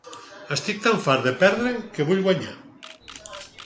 Estic tan fart de perdre que vull guanyar.